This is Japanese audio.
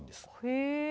へえ！